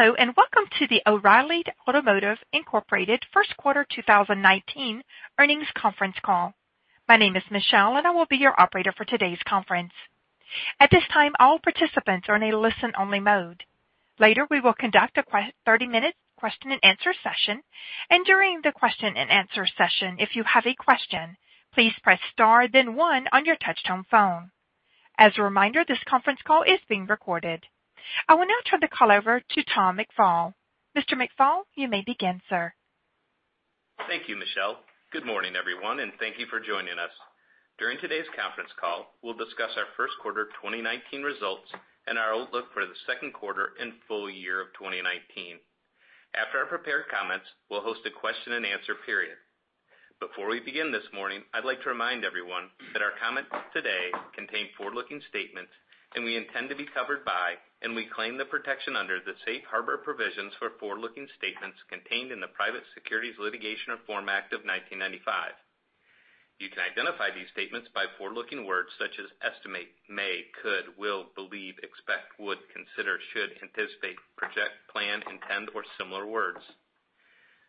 Hello, welcome to the O'Reilly Automotive, Inc. First Quarter 2019 Earnings Conference Call. My name is Michelle, I will be your operator for today's conference. At this time, all participants are in a listen-only mode. Later, we will conduct a 30-minute question and answer session. During the question and answer session, if you have a question, please press star then one on your touch-tone phone. As a reminder, this conference call is being recorded. I will now turn the call over to Tom McFall. Mr. McFall, you may begin, sir. Thank you, Michelle. Good morning, everyone, thank you for joining us. During today's conference call, we'll discuss our first quarter 2019 results and our outlook for the second quarter and full year of 2019. After our prepared comments, we'll host a question and answer period. Before we begin this morning, I'd like to remind everyone that our comments today contain forward-looking statements. We intend to be covered by and we claim the protection under the safe harbor provisions for forward-looking statements contained in the Private Securities Litigation Reform Act of 1995. You can identify these statements by forward-looking words such as estimate, may, could, will, believe, expect, would, consider, should, anticipate, project, plan, intend, or similar words.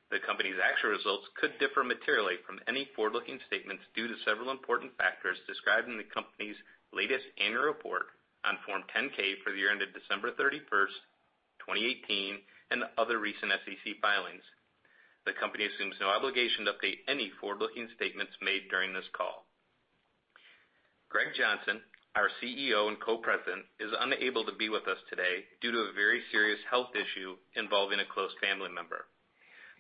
The company's actual results could differ materially from any forward-looking statements due to several important factors described in the company's latest annual report on Form 10-K for the year ended December 31st, 2018, other recent SEC filings. The company assumes no obligation to update any forward-looking statements made during this call. Greg Johnson, our CEO and Co-President, is unable to be with us today due to a very serious health issue involving a close family member.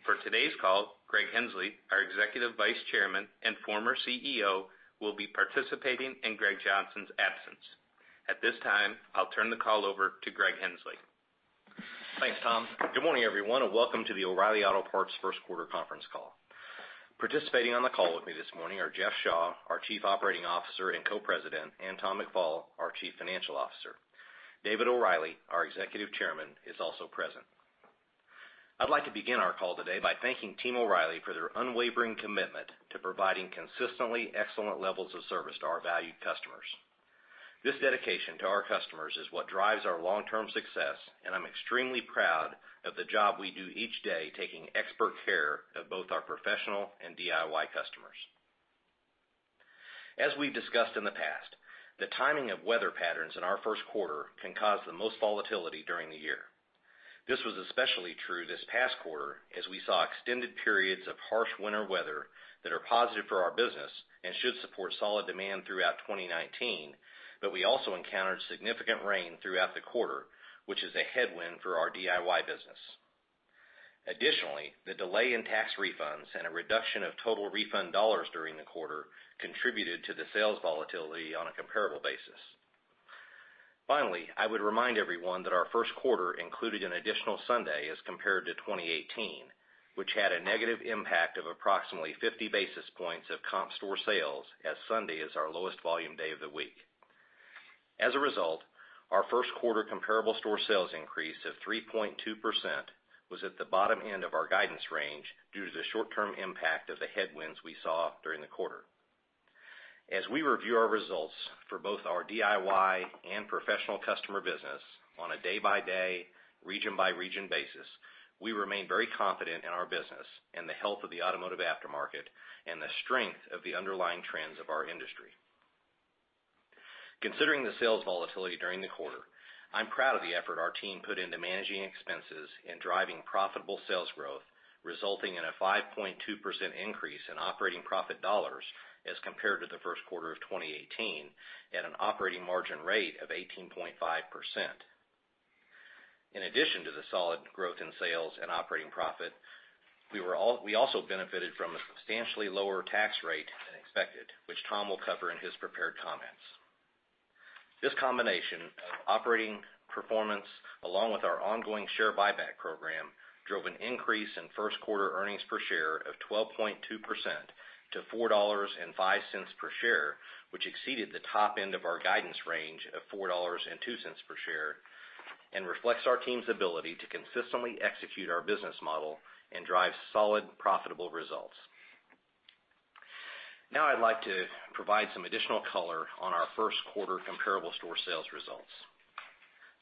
For today's call, Greg Henslee, our Executive Vice Chairman and former CEO, will be participating in Greg Johnson's absence. At this time, I'll turn the call over to Greg Henslee. Thanks, Tom. Good morning, everyone, welcome to the O'Reilly Auto Parts First Quarter Conference Call. Participating on the call with me this morning are Jeff Shaw, our Chief Operating Officer and Co-President, Tom McFall, our Chief Financial Officer. David O'Reilly, our Executive Chairman, is also present. I'd like to begin our call today by thanking Team O'Reilly for their unwavering commitment to providing consistently excellent levels of service to our valued customers. This dedication to our customers is what drives our long-term success. I'm extremely proud of the job we do each day taking expert care of both our professional and DIY customers. As we've discussed in the past, the timing of weather patterns in our first quarter can cause the most volatility during the year. This was especially true this past quarter as we saw extended periods of harsh winter weather that are positive for our business and should support solid demand throughout 2019. We also encountered significant rain throughout the quarter, which is a headwind for our DIY business. Additionally, the delay in tax refunds and a reduction of total refund dollars during the quarter contributed to the sales volatility on a comparable basis. Finally, I would remind everyone that our first quarter included an additional Sunday as compared to 2018, which had a negative impact of approximately 50 basis points of comp store sales as Sunday is our lowest volume day of the week. As a result, our first quarter comparable store sales increase of 3.2% was at the bottom end of our guidance range due to the short-term impact of the headwinds we saw during the quarter. As we review our results for both our DIY and professional customer business on a day-by-day, region-by-region basis, we remain very confident in our business and the health of the automotive aftermarket and the strength of the underlying trends of our industry. Considering the sales volatility during the quarter, I'm proud of the effort our team put into managing expenses and driving profitable sales growth, resulting in a 5.2% increase in operating profit dollars as compared to the first quarter of 2018 at an operating margin rate of 18.5%. In addition to the solid growth in sales and operating profit, we also benefited from a substantially lower tax rate than expected, which Tom will cover in his prepared comments. This combination of operating performance, along with our ongoing share buyback program, drove an increase in first quarter earnings per share of 12.2% to $4.05 per share, which exceeded the top end of our guidance range of $4.02 per share and reflects our team's ability to consistently execute our business model and drive solid, profitable results. Now I'd like to provide some additional color on our first quarter comparable store sales results.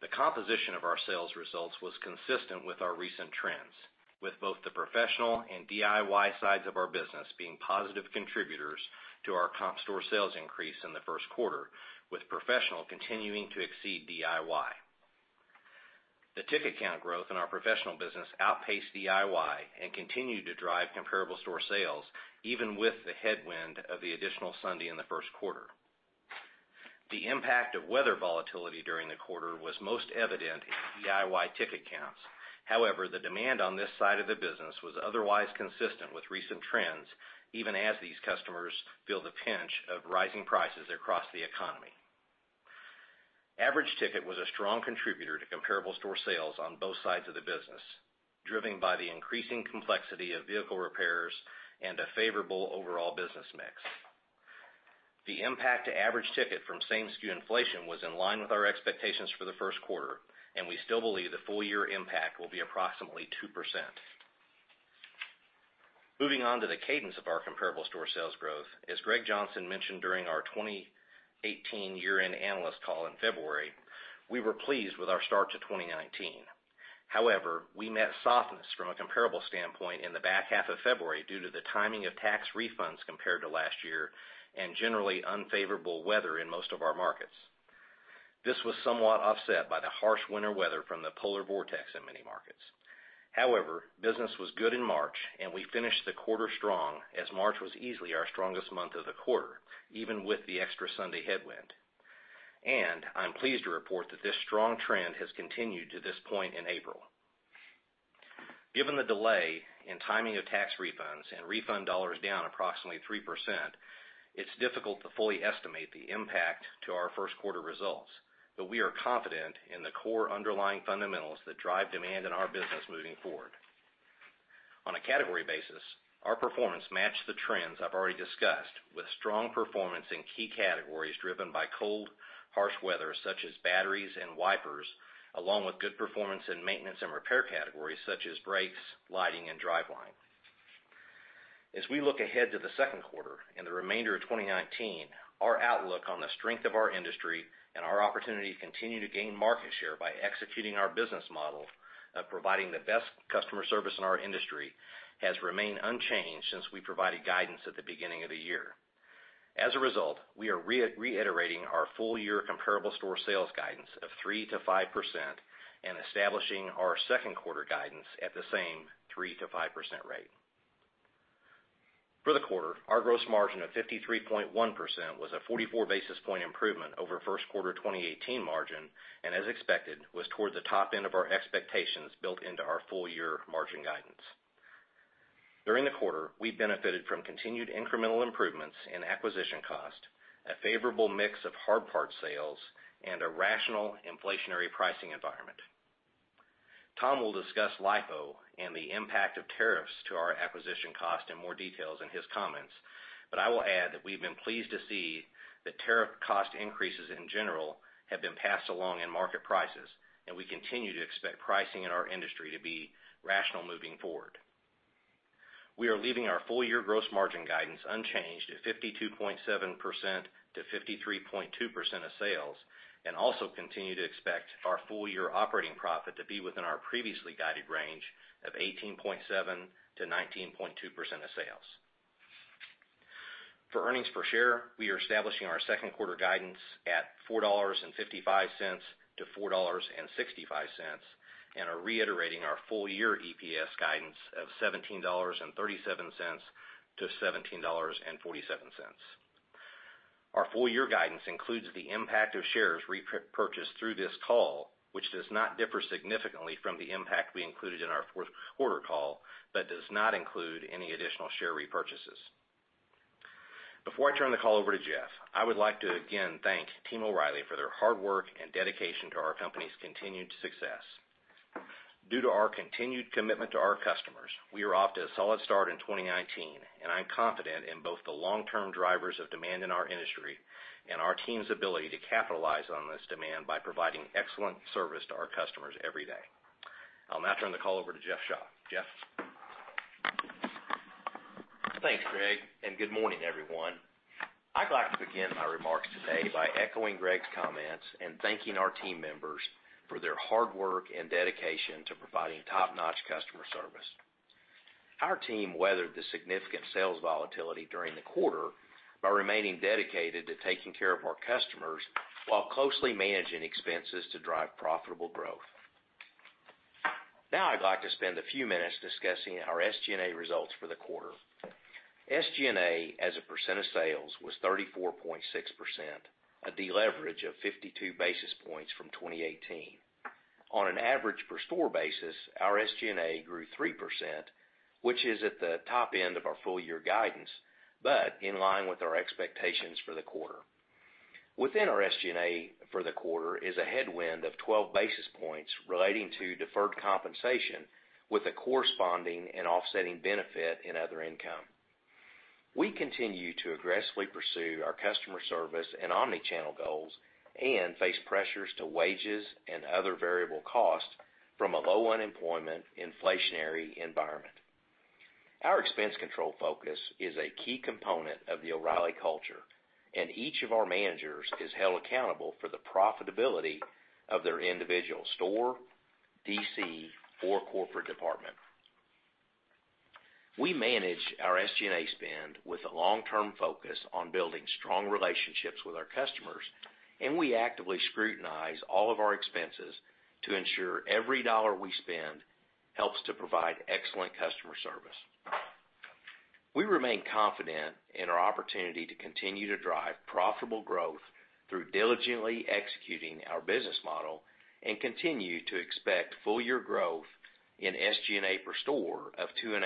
The composition of our sales results was consistent with our recent trends, with both the professional and DIY sides of our business being positive contributors to our comp store sales increase in the first quarter, with professional continuing to exceed DIY. The ticket count growth in our professional business outpaced DIY and continued to drive comparable store sales, even with the headwind of the additional Sunday in the first quarter. The impact of weather volatility during the quarter was most evident in DIY ticket counts. However, the demand on this side of the business was otherwise consistent with recent trends, even as these customers feel the pinch of rising prices across the economy. Average ticket was a strong contributor to comparable store sales on both sides of the business, driven by the increasing complexity of vehicle repairs and a favorable overall business mix. The impact to average ticket from same-SKU inflation was in line with our expectations for the first quarter, and we still believe the full-year impact will be approximately 2%. Moving on to the cadence of our comparable store sales growth. As Greg Johnson mentioned during our 2018 year-end analyst call in February, we were pleased with our start to 2019. However, we met softness from a comparable standpoint in the back half of February due to the timing of tax refunds compared to last year, and generally unfavorable weather in most of our markets. This was somewhat offset by the harsh winter weather from the polar vortex in many markets. However, business was good in March, we finished the quarter strong, as March was easily our strongest month of the quarter, even with the extra Sunday headwind. I'm pleased to report that this strong trend has continued to this point in April. Given the delay in timing of tax refunds and refund dollars down approximately 3%, it's difficult to fully estimate the impact to our first quarter results, but we are confident in the core underlying fundamentals that drive demand in our business moving forward. On a category basis, our performance matched the trends I've already discussed, with strong performance in key categories driven by cold, harsh weather, such as batteries and wipers, along with good performance in maintenance and repair categories such as brakes, lighting and driveline. As we look ahead to the second quarter and the remainder of 2019, our outlook on the strength of our industry and our opportunity to continue to gain market share by executing our business model of providing the best customer service in our industry, has remained unchanged since we provided guidance at the beginning of the year. As a result, we are reiterating our full year comparable store sales guidance of 3%-5% and establishing our second quarter guidance at the same 3%-5% rate. For the quarter, our gross margin of 53.1% was a 44 basis point improvement over first quarter 2018 margin, and as expected, was toward the top end of our expectations built into our full year margin guidance. During the quarter, we benefited from continued incremental improvements in acquisition cost, a favorable mix of hard part sales, and a rational inflationary pricing environment. Tom will discuss LIFO and the impact of tariffs to our acquisition cost in more details in his comments, but I will add that we've been pleased to see that tariff cost increases in general, have been passed along in market prices, and we continue to expect pricing in our industry to be rational moving forward. We are leaving our full year gross margin guidance unchanged at 52.7%-53.2% of sales. Also continue to expect our full year operating profit to be within our previously guided range of 18.7%-19.2% of sales. For earnings per share, we are establishing our second quarter guidance at $4.55-$4.65. Are reiterating our full year EPS guidance of $17.37-$17.47. Our full year guidance includes the impact of shares repurchased through this call, which does not differ significantly from the impact we included in our fourth quarter call, but does not include any additional share repurchases. Before I turn the call over to Jeff, I would like to again thank Team O'Reilly for their hard work and dedication to our company's continued success. Due to our continued commitment to our customers, we are off to a solid start in 2019, and I'm confident in both the long-term drivers of demand in our industry and our team's ability to capitalize on this demand by providing excellent service to our customers every day. I'll now turn the call over to Jeff Shaw. Jeff? Thanks, Greg. Good morning, everyone. I'd like to begin my remarks today by echoing Greg's comments and thanking our team members for their hard work and dedication to providing top-notch customer service. Our team weathered the significant sales volatility during the quarter by remaining dedicated to taking care of our customers while closely managing expenses to drive profitable growth. Now I'd like to spend a few minutes discussing our SG&A results for the quarter. SG&A as a % of sales was 34.6%, a deleverage of 52 basis points from 2018. On an average per store basis, our SG&A grew 3%, which is at the top end of our full year guidance, in line with our expectations for the quarter. Within our SG&A for the quarter is a headwind of 12 basis points relating to deferred compensation with a corresponding and offsetting benefit in other income. We continue to aggressively pursue our customer service and omni-channel goals, face pressures to wages and other variable costs from a low unemployment inflationary environment. Our expense control focus is a key component of the O'Reilly culture, each of our managers is held accountable for the profitability of their individual store, DC, or corporate department. We manage our SG&A spend with a long-term focus on building strong relationships with our customers, we actively scrutinize all of our expenses to ensure every dollar we spend helps to provide excellent customer service. We remain confident in our opportunity to continue to drive profitable growth through diligently executing our business model, continue to expect full year growth in SG&A per store of 2.5%-3%.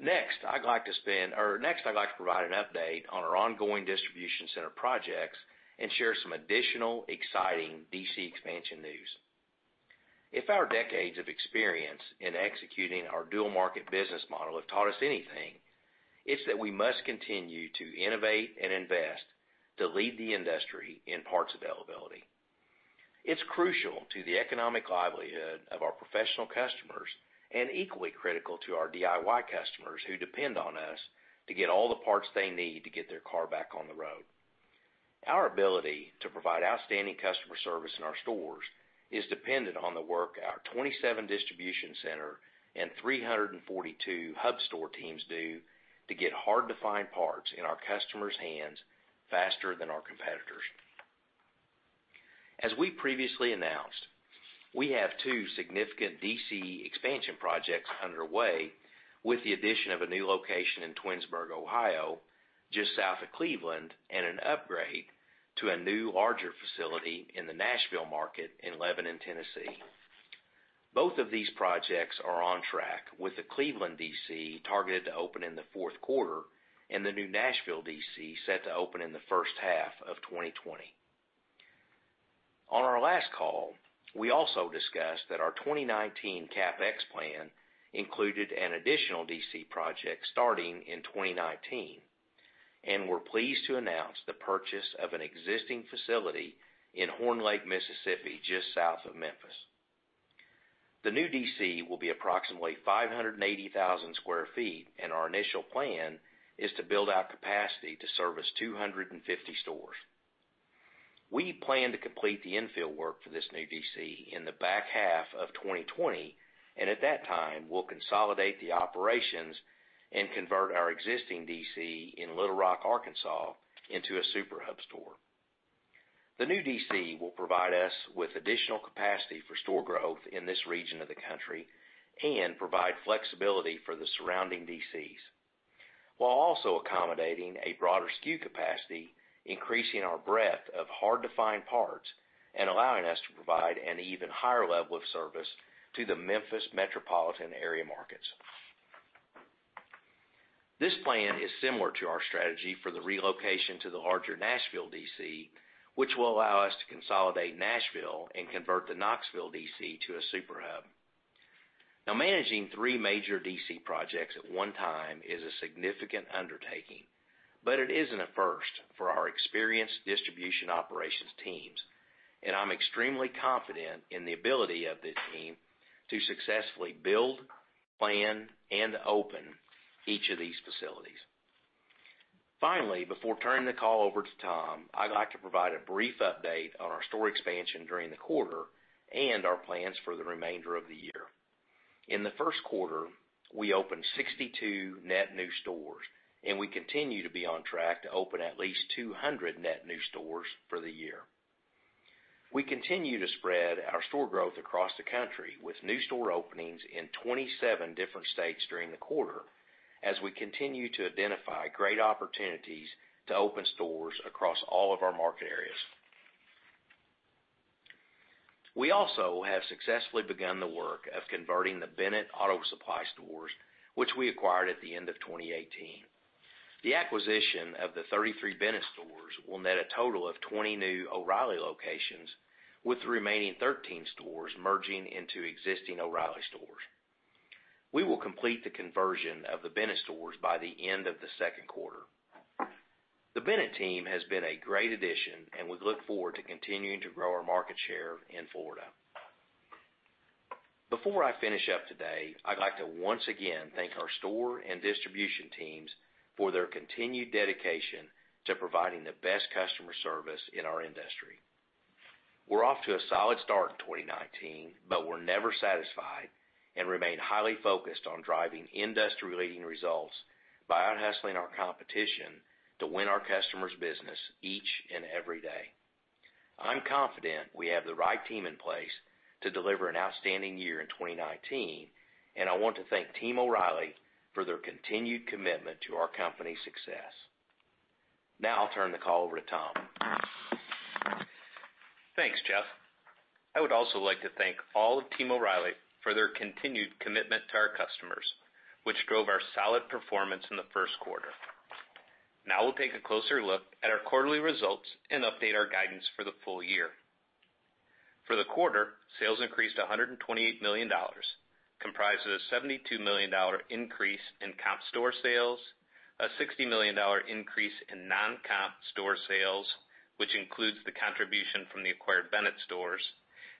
Next, I'd like to provide an update on our ongoing distribution center projects and share some additional exciting DC expansion news. If our decades of experience in executing our dual market business model have taught us anything, it's that we must continue to innovate and invest to lead the industry in parts availability. It's crucial to the economic livelihood of our professional customers and equally critical to our DIY customers who depend on us to get all the parts they need to get their car back on the road. Our ability to provide outstanding customer service in our stores is dependent on the work our 27 distribution center and 342 hub store teams do to get hard-to-find parts in our customers' hands faster than our competitors. As we previously announced, we have two significant DC expansion projects underway, with the addition of a new location in Twinsburg, Ohio, just south of Cleveland, an upgrade to a new larger facility in the Nashville market in Lebanon, Tennessee. Both of these projects are on track, with the Cleveland DC targeted to open in the fourth quarter and the new Nashville DC set to open in the first half of 2020. On our last call, we also discussed that our 2019 CapEx plan included an additional DC project starting in 2019. We're pleased to announce the purchase of an existing facility in Horn Lake, Mississippi, just south of Memphis. The new DC will be approximately 580,000 sq ft. Our initial plan is to build out capacity to service 250 stores. We plan to complete the infill work for this new DC in the back half of 2020. At that time, we'll consolidate the operations and convert our existing DC in Little Rock, Arkansas, into a Super Hub store. The new DC will provide us with additional capacity for store growth in this region of the country and provide flexibility for the surrounding DCs while also accommodating a broader SKU capacity, increasing our breadth of hard-to-find parts and allowing us to provide an even higher level of service to the Memphis metropolitan area markets. This plan is similar to our strategy for the relocation to the larger Nashville DC, which will allow us to consolidate Nashville and convert the Knoxville DC to a Super Hub. Managing three major DC projects at one time is a significant undertaking. It isn't a first for our experienced distribution operations teams. I'm extremely confident in the ability of this team to successfully build, plan, and open each of these facilities. Finally, before turning the call over to Tom, I'd like to provide a brief update on our store expansion during the quarter and our plans for the remainder of the year. In the first quarter, we opened 62 net new stores. We continue to be on track to open at least 200 net new stores for the year. We continue to spread our store growth across the country with new store openings in 27 different states during the quarter as we continue to identify great opportunities to open stores across all of our market areas. We also have successfully begun the work of converting the Bennett Auto Supply stores, which we acquired at the end of 2018. The acquisition of the 33 Bennett stores will net a total of 20 new O’Reilly locations, with the remaining 13 stores merging into existing O’Reilly stores. We will complete the conversion of the Bennett stores by the end of the second quarter. The Bennett team has been a great addition, and we look forward to continuing to grow our market share in Florida. Before I finish up today, I'd like to once again thank our store and distribution teams for their continued dedication to providing the best customer service in our industry. We're off to a solid start in 2019, but we're never satisfied and remain highly focused on driving industry-leading results by out-hustling our competition to win our customers' business each and every day. I'm confident we have the right team in place to deliver an outstanding year in 2019, and I want to thank Team O'Reilly for their continued commitment to our company's success. I'll turn the call over to Tom. Thanks, Jeff. I would also like to thank all of Team O’Reilly for their continued commitment to our customers, which drove our solid performance in the first quarter. Now we'll take a closer look at our quarterly results and update our guidance for the full year. For the quarter, sales increased to $128 million, comprised of a $72 million increase in comp store sales, a $60 million increase in non-comp store sales, which includes the contribution from the acquired Bennett stores,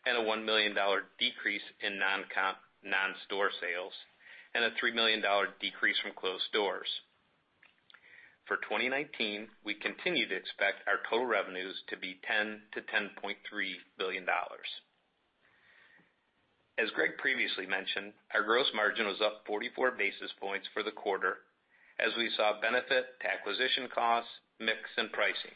a $1 million decrease in non-comp non-store sales, and a $3 million decrease from closed stores. For 2019, we continue to expect our total revenues to be $10 billion-$10.3 billion. As Greg previously mentioned, our gross margin was up 44 basis points for the quarter as we saw benefit to acquisition costs, mix, and pricing.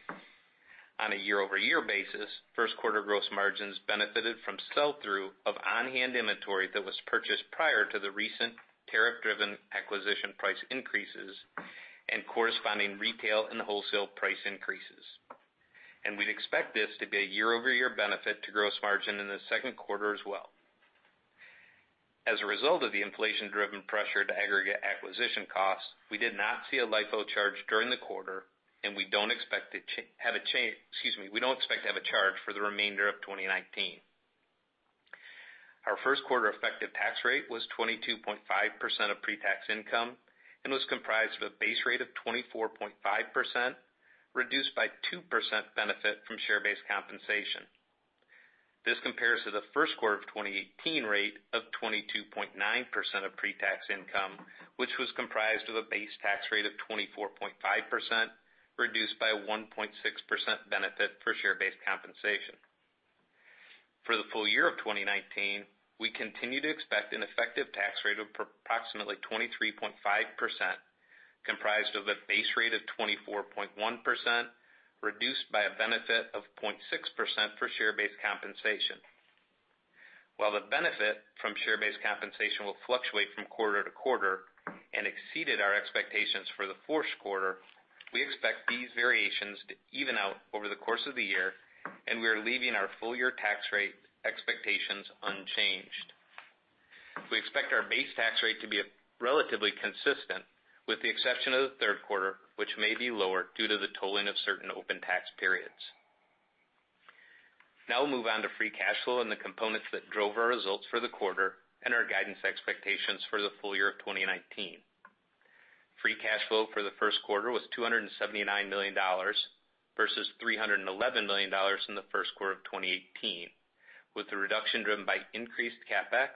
On a year-over-year basis, first quarter gross margins benefited from sell-through of on-hand inventory that was purchased prior to the recent tariff-driven acquisition price increases and corresponding retail and wholesale price increases. We'd expect this to be a year-over-year benefit to gross margin in the second quarter as well. As a result of the inflation-driven pressure to aggregate acquisition costs, we did not see a LIFO charge during the quarter, and we don't expect to have a charge for the remainder of 2019. Our first quarter effective tax rate was 22.5% of pre-tax income and was comprised of a base rate of 24.5%, reduced by 2% benefit from share-based compensation. This compares to the first quarter of 2018 rate of 22.9% of pre-tax income, which was comprised of a base tax rate of 24.5%, reduced by 1.6% benefit for share-based compensation. For the full year of 2019, we continue to expect an effective tax rate of approximately 23.5%, comprised of a base rate of 24.1%, reduced by a benefit of 0.6% for share-based compensation. While the benefit from share-based compensation will fluctuate from quarter to quarter and exceeded our expectations for the fourth quarter, we expect these variations to even out over the course of the year, and we are leaving our full-year tax rate expectations unchanged. We expect our base tax rate to be relatively consistent with the exception of the third quarter, which may be lower due to the tolling of certain open tax periods. Now we'll move on to free cash flow and the components that drove our results for the quarter and our guidance expectations for the full year of 2019. Free cash flow for the first quarter was $279 million versus $311 million in the first quarter of 2018, with the reduction driven by increased CapEx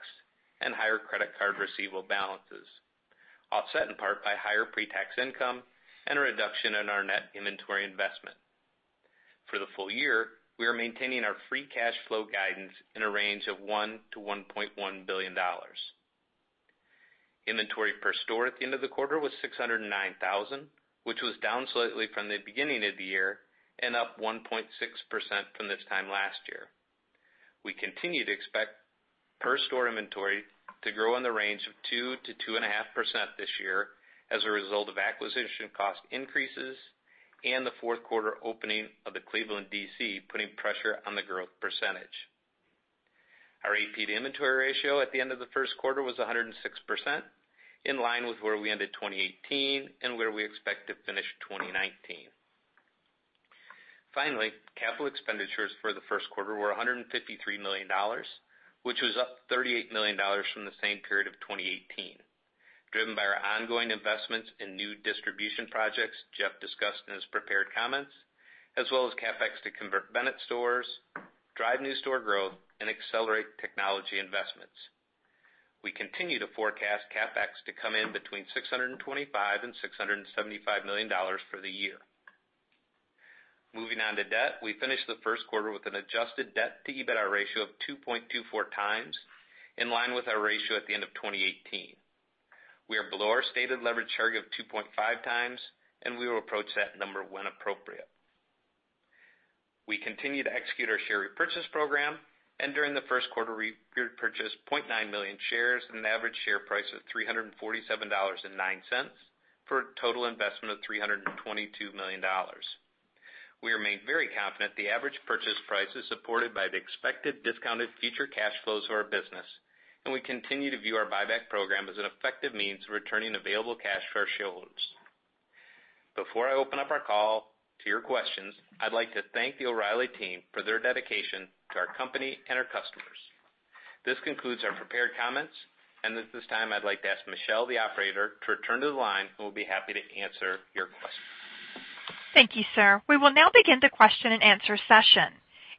and higher credit card receivable balances, offset in part by higher pre-tax income and a reduction in our net inventory investment. For the full year, we are maintaining our free cash flow guidance in a range of $1 billion-$1.1 billion. Inventory per store at the end of the quarter was 609,000, which was down slightly from the beginning of the year and up 1.6% from this time last year. We continue to expect per store inventory to grow in the range of 2%-2.5% this year as a result of acquisition cost increases and the fourth quarter opening of the Cleveland DC, putting pressure on the growth percentage. Our AP inventory ratio at the end of the first quarter was 106%, in line with where we ended 2018 and where we expect to finish 2019. Capital expenditures for the first quarter were $153 million, which was up $38 million from the same period of 2018, driven by our ongoing investments in new distribution projects Jeff discussed in his prepared comments, as well as CapEx to convert Bennett stores, drive new store growth, and accelerate technology investments. We continue to forecast CapEx to come in between $625 million and $675 million for the year. We finished the first quarter with an adjusted debt to EBITDA ratio of 2.24 times, in line with our ratio at the end of 2018. We are below our stated leverage target of 2.5 times. We will approach that number when appropriate. We continue to execute our share repurchase program. During the first quarter, we repurchased 0.9 million shares at an average share price of $347.09 for a total investment of $322 million. We remain very confident the average purchase price is supported by the expected discounted future cash flows of our business. We continue to view our buyback program as an effective means of returning available cash to our shareholders. Before I open up our call to your questions, I'd like to thank the O'Reilly team for their dedication to our company and our customers. This concludes our prepared comments. At this time I'd like to ask Michelle, the operator, to return to the line. We'll be happy to answer your questions. Thank you, sir. We will now begin the question and answer session.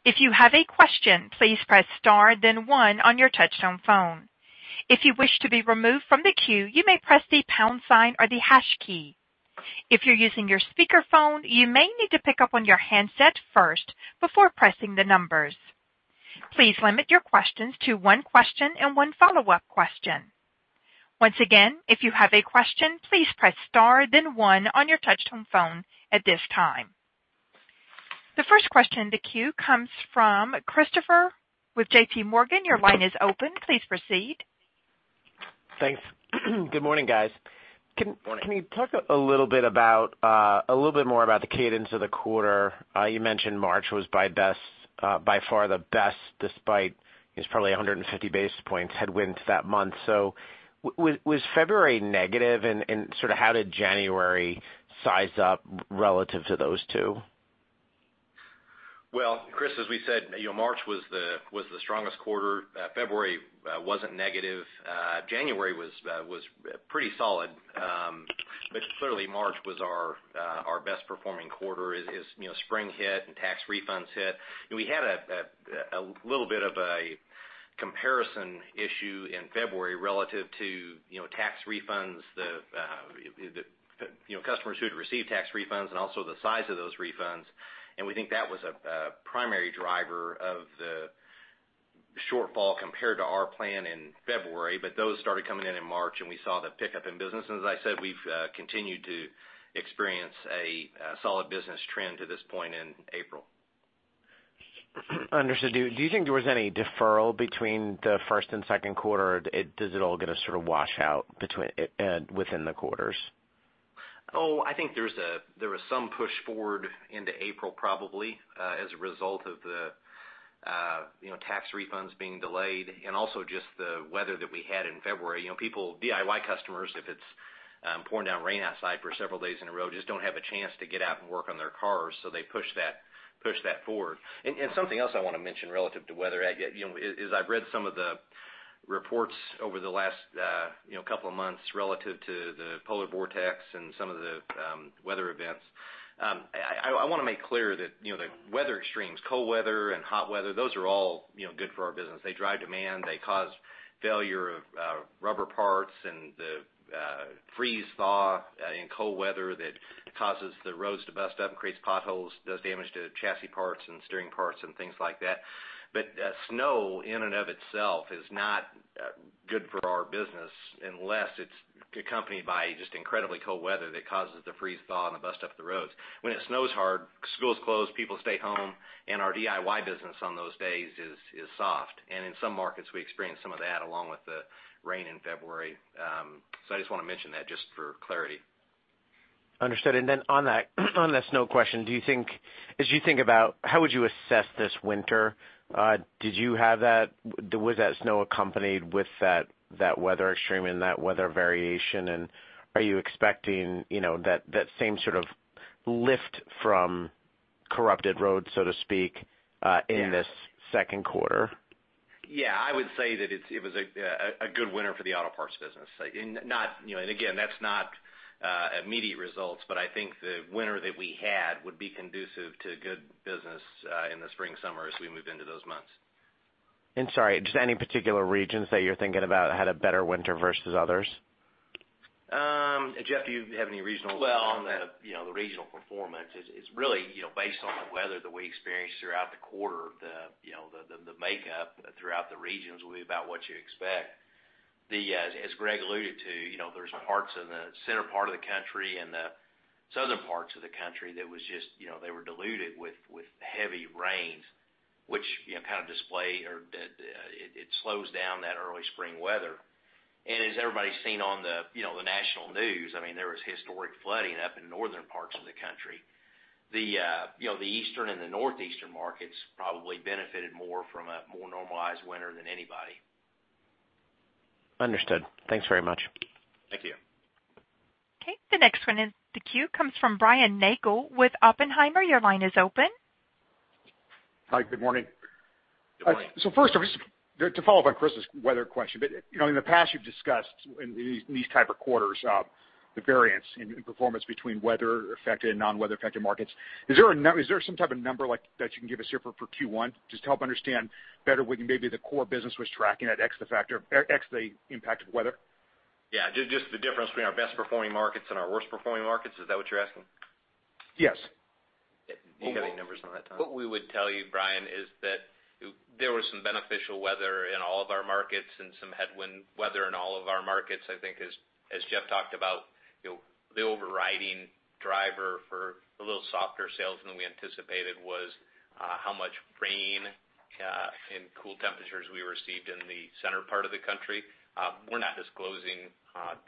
If you have a question, please press star then one on your touchtone phone. If you wish to be removed from the queue, you may press the pound sign or the hash key. If you're using your speakerphone, you may need to pick up on your handset first before pressing the numbers. Please limit your questions to one question and one follow-up question. Once again, if you have a question, please press star then one on your touchtone phone at this time. The first question in the queue comes from Christopher with J.P. Morgan. Your line is open. Please proceed. Thanks. Good morning, guys. Morning. Can you talk a little bit more about the cadence of the quarter? You mentioned March was by far the best despite it was probably 150 basis points headwinds that month. Was February negative and how did January size up relative to those two? Well, Chris, as we said, March was the strongest quarter. February wasn't negative. January was pretty solid. Clearly March was our best performing quarter. Spring hit and tax refunds hit, we had a little bit of a comparison issue in February relative to tax refunds, customers who'd received tax refunds and also the size of those refunds. We think that was a primary driver of the shortfall compared to our plan in February. Those started coming in in March and we saw the pickup in business. As I said, we've continued to experience a solid business trend to this point in April. Understood. Do you think there was any deferral between the first and second quarter? Does it all get washed out within the quarters? Oh, I think there was some push forward into April probably, as a result of the tax refunds being delayed and also just the weather that we had in February. DIY customers, if it's Pouring down rain outside for several days in a row, just don't have a chance to get out and work on their cars. They push that forward. Something else I want to mention relative to weather, as I've read some of the reports over the last couple of months relative to the polar vortex and some of the weather events. I want to make clear that the weather extremes, cold weather and hot weather, those are all good for our business. They drive demand, they cause failure of rubber parts and the freeze-thaw in cold weather that causes the roads to bust up and creates potholes, does damage to chassis parts and steering parts and things like that. Snow in and of itself is not good for our business unless it's accompanied by just incredibly cold weather that causes the freeze-thaw and the bust up of the roads. When it snows hard, schools close, people stay home, and our DIY business on those days is soft. In some markets, we experience some of that along with the rain in February. I just want to mention that just for clarity. Understood. On that snow question, as you think about how would you assess this winter, was that snow accompanied with that weather extreme and that weather variation, and are you expecting that same sort of lift from corrupted roads, so to speak, in this second quarter? Yeah, I would say that it was a good winter for the auto parts business. Again, that's not immediate results, but I think the winter that we had would be conducive to good business in the spring, summer as we move into those months. Sorry, just any particular regions that you're thinking about had a better winter versus others? Jeff, do you have any regional The regional performance is really based on the weather that we experienced throughout the quarter. The makeup throughout the regions will be about what you expect. As Greg alluded to, there's parts in the center part of the country and the southern parts of the country that were diluted with heavy rains, which slows down that early spring weather. As everybody's seen on the national news, there was historic flooding up in northern parts of the country. The Eastern and the Northeastern markets probably benefited more from a more normalized winter than anybody. Understood. Thanks very much. Thank you. Okay, the next one in the queue comes from Brian Nagel with Oppenheimer. Your line is open. Hi, good morning. Good morning. First, to follow up on Chris's weather question, but in the past, you've discussed in these type of quarters, the variance in performance between weather-affected and non-weather-affected markets. Is there some type of number that you can give us here for Q1 just to help understand better where maybe the core business was tracking that X, the factor, X the impact of weather? Yeah, just the difference between our best-performing markets and our worst-performing markets. Is that what you're asking? Yes. You got any numbers on that, Tom? What we would tell you, Brian, is that there was some beneficial weather in all of our markets and some headwind weather in all of our markets. I think as Jeff talked about, the overriding driver for a little softer sales than we anticipated was how much rain and cool temperatures we received in the center part of the country. We're not disclosing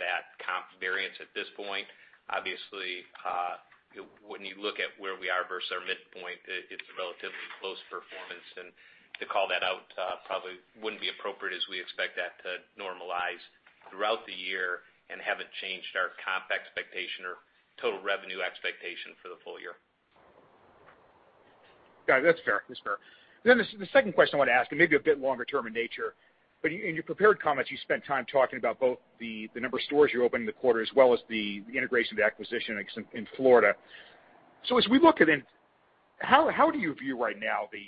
that comp variance at this point. Obviously, when you look at where we are versus our midpoint, it's relatively close performance, and to call that out probably wouldn't be appropriate as we expect that to normalize throughout the year and haven't changed our comp expectation or total revenue expectation for the full year. Got it. That's fair. The second question I wanted to ask, and maybe a bit longer term in nature, but in your prepared comments, you spent time talking about both the number of stores you opened in the quarter as well as the integration of the acquisition in Florida. As we look at it, how do you view right now the,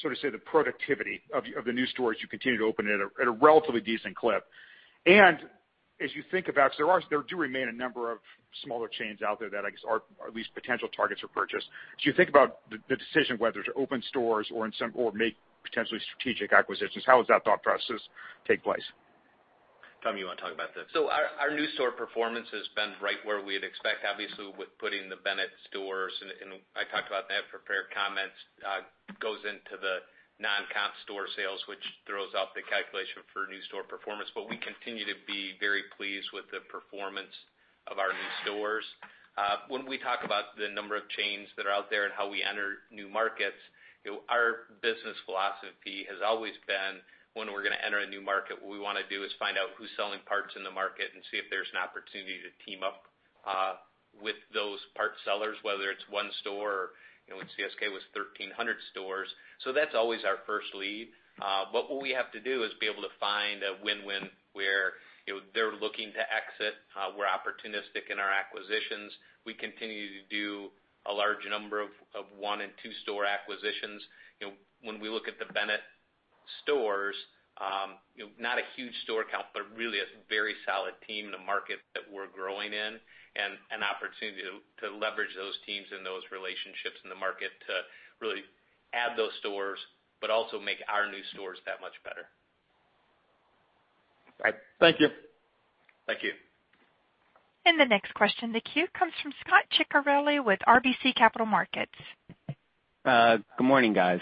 so to say, the productivity of the new stores you continue to open at a relatively decent clip. As you think about, because there do remain a number of smaller chains out there that I guess are at least potential targets for purchase. As you think about the decision whether to open stores or make potentially strategic acquisitions, how does that thought process take place? Tom, you want to talk about this? Our new store performance has been right where we'd expect, obviously, with putting the Bennett stores, and I talked about that in prepared comments, goes into the non-comp store sales, which throws off the calculation for new store performance. We continue to be very pleased with the performance of our new stores. When we talk about the number of chains that are out there and how we enter new markets, our business philosophy has always been when we're going to enter a new market, what we want to do is find out who's selling parts in the market and see if there's an opportunity to team up with those parts sellers, whether it's one store or when CSK Auto was 1,300 stores. That's always our first lead. What we have to do is be able to find a win-win where they're looking to exit. We're opportunistic in our acquisitions. We continue to do a large number of one and two-store acquisitions. When we look at the Bennett stores, not a huge store count, but really a very solid team in the market that we're growing in and an opportunity to leverage those teams and those relationships in the market to really add those stores, but also make our new stores that much better. All right. Thank you. Thank you. The next question in the queue comes from Scot Ciccarelli with RBC Capital Markets. Good morning, guys.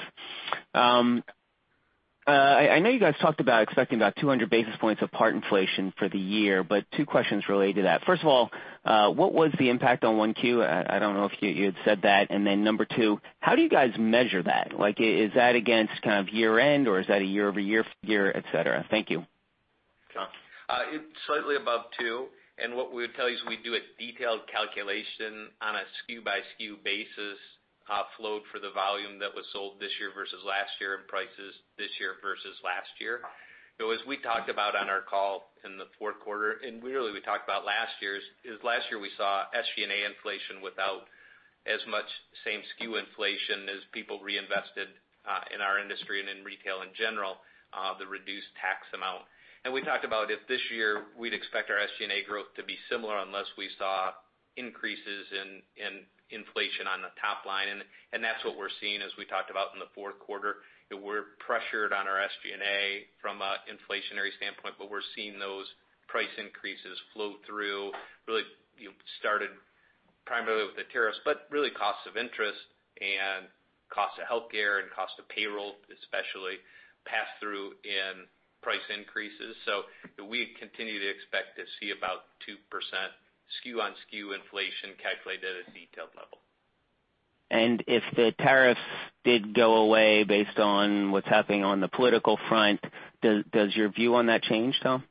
I know you guys talked about expecting about 200 basis points of part inflation for the year. Two questions related to that. First of all, what was the impact on 1Q? I don't know if you had said that. Number two, how do you guys measure that? Is that against kind of year-end, or is that a year-over-year figure, et cetera? Thank you. Slightly above 2. What we would tell you is we do a detailed calculation on a SKU-by-SKU basis, offload for the volume that was sold this year versus last year and prices this year versus last year. As we talked about on our call in the fourth quarter, and really we talked about last year, last year we saw SG&A inflation without as much same SKU inflation as people reinvested, in our industry and in retail in general, the reduced tax amount. We talked about if this year we'd expect our SG&A growth to be similar unless we saw increases in inflation on the top line. That's what we're seeing as we talked about in the fourth quarter, that we're pressured on our SG&A from an inflationary standpoint, but we're seeing those price increases flow through. Really started primarily with the tariffs, but really cost of interest and cost of healthcare and cost of payroll, especially pass-through in price increases. We continue to expect to see about 2% SKU-on-SKU inflation calculated at a detailed level. If the tariffs did go away based on what's happening on the political front, does your view on that change, Tom?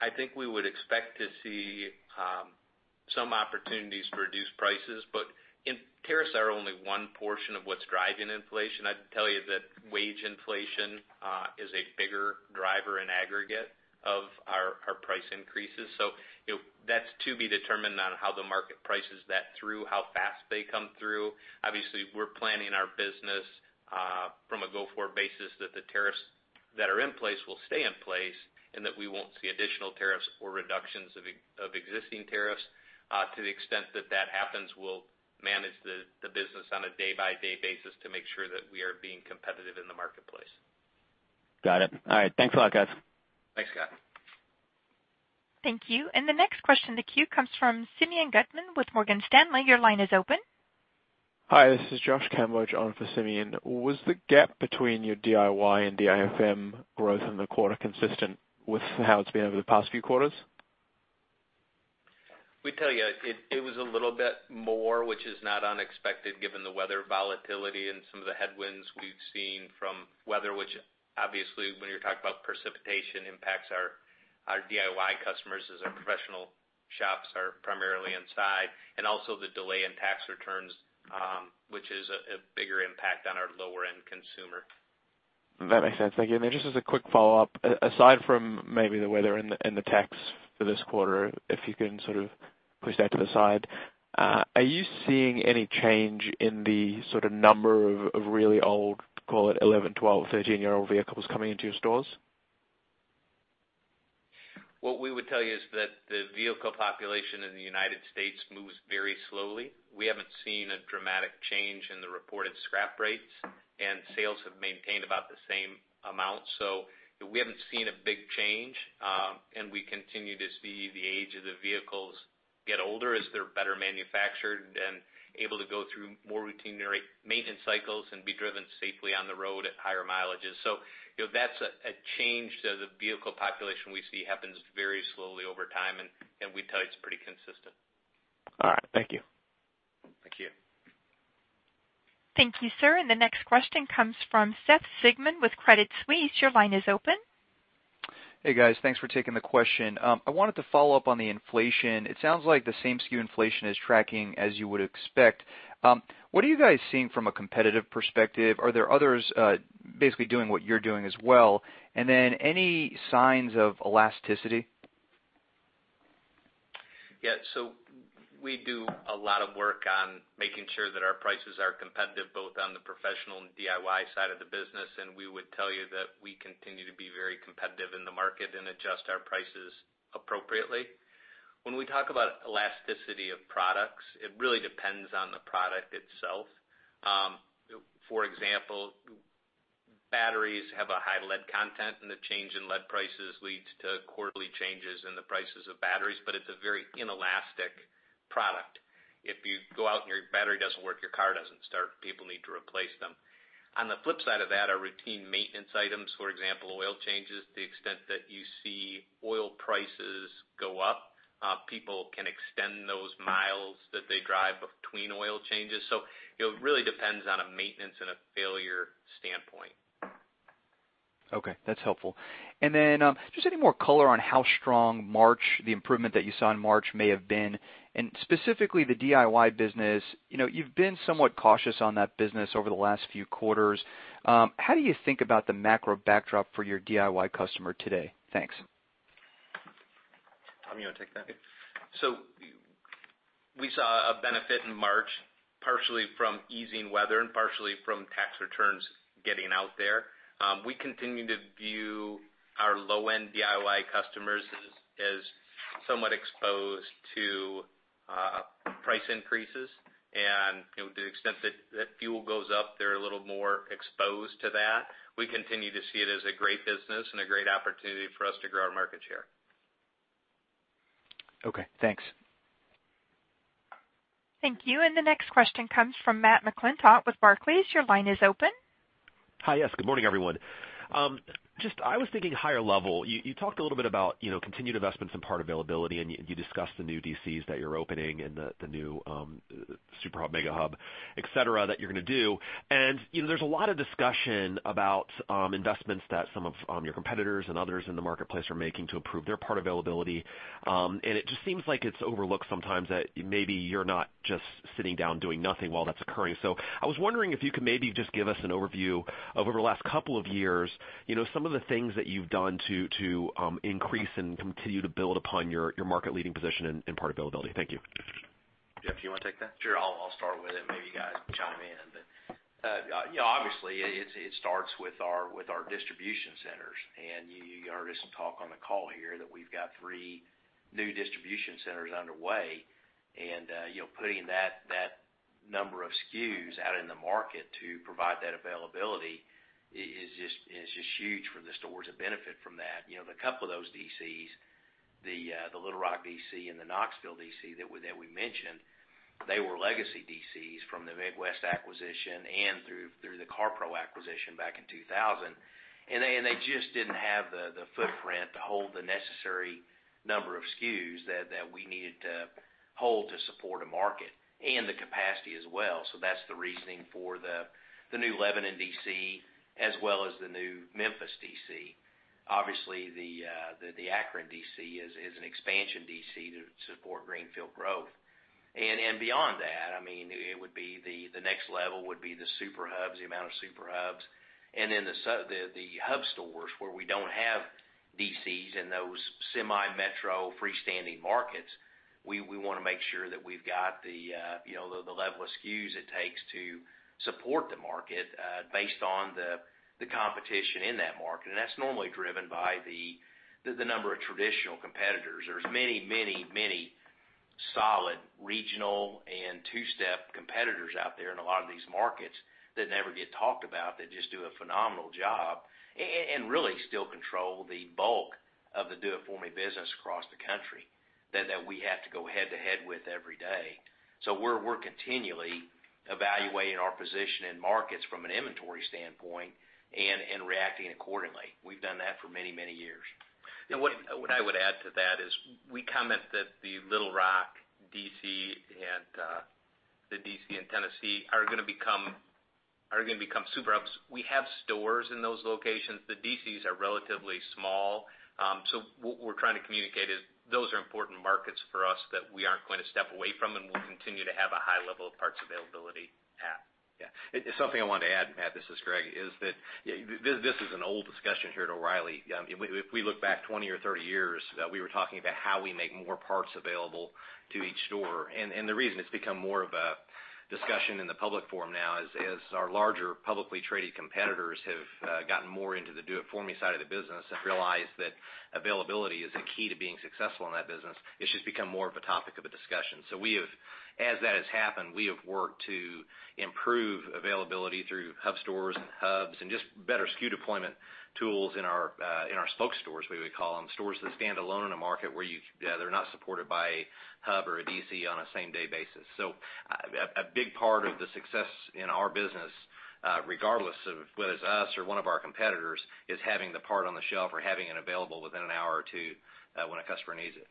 I think we would expect to see some opportunities to reduce prices, tariffs are only one portion of what's driving inflation. I'd tell you that wage inflation is a bigger driver in aggregate of our price increases. That's to be determined on how the market prices that through, how fast they come through. Obviously, we're planning our business, from a go-forward basis, that the tariffs that are in place will stay in place, and that we won't see additional tariffs or reductions of existing tariffs. To the extent that that happens, we'll manage the business on a day-by-day basis to make sure that we are being competitive in the marketplace. Got it. All right. Thanks a lot, guys. Thanks, Scot. Thank you. The next question in the queue comes from Simeon Gutman with Morgan Stanley. Your line is open. Hi, this is Josh Campbell on for Simeon. Was the gap between your DIY and DIFM growth in the quarter consistent with how it's been over the past few quarters? We'd tell you it was a little bit more, which is not unexpected given the weather volatility and some of the headwinds we've seen from weather, which obviously, when you're talking about precipitation, impacts our DIY customers as our professional shops are primarily inside, and also the delay in tax returns, which is a bigger impact on our lower-end consumer. That makes sense. Thank you. Just as a quick follow-up, aside from maybe the weather and the tax for this quarter, if you can sort of push that to the side, are you seeing any change in the sort of number of really old, call it 11, 12, 13-year-old vehicles coming into your stores? What we would tell you is that the vehicle population in the United States moves very slowly. We haven't seen a dramatic change in the reported scrap rates, and sales have maintained about the same amount. We haven't seen a big change, and we continue to see the age of the vehicles get older as they're better manufactured and able to go through more routine maintenance cycles and be driven safely on the road at higher mileages. That's a change to the vehicle population we see happens very slowly over time, and we'd tell you it's pretty consistent. All right. Thank you. Thank you. Thank you, sir. The next question comes from Seth Sigman with Credit Suisse. Your line is open. Hey, guys. Thanks for taking the question. I wanted to follow up on the inflation. It sounds like the same SKU inflation is tracking as you would expect. What are you guys seeing from a competitive perspective? Are there others basically doing what you're doing as well? Any signs of elasticity? Yeah. We do a lot of work on making sure that our prices are competitive both on the professional and DIY side of the business, and we would tell you that we continue to be very competitive in the market and adjust our prices appropriately. When we talk about elasticity of products, it really depends on the product itself. For example, batteries have a high lead content, and the change in lead prices leads to quarterly changes in the prices of batteries, but it's a very inelastic product. If you go out and your battery doesn't work, your car doesn't start, people need to replace them. On the flip side of that are routine maintenance items, for example, oil changes. To the extent that you see oil prices go up, people can extend those miles that they drive between oil changes. It really depends on a maintenance and a failure standpoint. Okay. That's helpful. Just any more color on how strong March, the improvement that you saw in March may have been, and specifically the DIY business. You've been somewhat cautious on that business over the last few quarters. How do you think about the macro backdrop for your DIY customer today? Thanks. Tom, you want to take that? Yeah. We saw a benefit in March, partially from easing weather and partially from tax returns getting out there. We continue to view our low-end DIY customers as somewhat exposed to price increases and to the extent that fuel goes up, they're a little more exposed to that. We continue to see it as a great business and a great opportunity for us to grow our market share. Okay, thanks. Thank you. The next question comes from Matthew McClintock with Barclays. Your line is open. Hi, yes. Good morning, everyone. I was thinking higher level. You talked a little bit about continued investments in part availability, and you discussed the new DCs that you're opening and the new Super Hub, Mega Hub, et cetera, that you're going to do. There's a lot of discussion about investments that some of your competitors and others in the marketplace are making to improve their part availability. It just seems like it's overlooked sometimes that maybe you're not just sitting down doing nothing while that's occurring. I was wondering if you could maybe just give us an overview of, over the last couple of years, some of the things that you've done to increase and continue to build upon your market-leading position in part availability. Thank you. Jeff, do you want to take that? Sure. I'll start with it, maybe you guys chime in. Obviously, it starts with our distribution centers. You already heard us talk on the call here that we've got three new distribution centers underway, and putting that number of SKUs out in the market to provide that availability is just huge for the stores that benefit from that. A couple of those DCs, the Little Rock DC and the Knoxville DC that we mentioned, they were legacy DCs from the Midwest acquisition and through the KarPro acquisition back in 2000. They just didn't have the footprint to hold the necessary number of SKUs that we needed to hold to support a market, and the capacity as well. That's the reasoning for the new Lebanon DC as well as the new Memphis DC. The Akron DC is an expansion DC to support greenfield growth. Beyond that, the next level would be the Super Hubs, the amount of Super Hubs, and then the Hub Stores where we don't have DCs in those semi-metro freestanding markets. We want to make sure that we've got the level of SKUs it takes to support the market based on the competition in that market. That's normally driven by the number of traditional competitors. There's many solid regional and two-step competitors out there in a lot of these markets that never get talked about, that just do a phenomenal job and really still control the bulk of the do-it-for-me business across the country that we have to go head to head with every day. We're continually evaluating our position in markets from an inventory standpoint and reacting accordingly. We've done that for many years. What I would add to that is, we comment that the Little Rock DC and the DC in Tennessee are going to become Super Hubs. We have stores in those locations. The DCs are relatively small. What we're trying to communicate is those are important markets for us that we aren't going to step away from, and we'll continue to have a high level of parts availability at. Yeah. Something I wanted to add, this is Greg, is that this is an old discussion here at O'Reilly. If we look back 20 or 30 years, we were talking about how we make more parts available to each store. The reason it's become more of a discussion in the public forum now is as our larger publicly traded competitors have gotten more into the do-it-for-me side of the business and realized that availability is a key to being successful in that business, it's just become more of a topic of a discussion. As that has happened, we have worked to improve availability through Hub Stores and Hubs and just better SKU deployment tools in our spoke stores, we would call them, stores that stand alone in a market where they're not supported by a hub or a DC on a same-day basis. A big part of the success in our business, regardless of whether it's us or one of our competitors, is having the part on the shelf or having it available within an hour or two when a customer needs it.